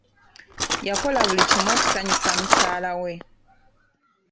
Yakola buli kimu okusanyusa mukyala we.